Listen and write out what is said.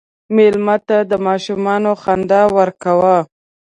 مېلمه ته د ماشومان خندا ورکوه.